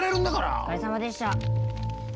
お疲れさまでした。